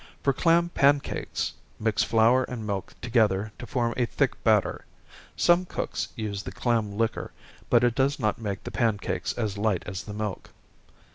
For clam pancakes, mix flour and milk together to form a thick batter some cooks use the clam liquor, but it does not make the pancakes as light as the milk.